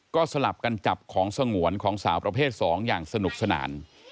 ก็สลับกันจับของสงวนของสาวประเภท๒อย่างสนุกสนาน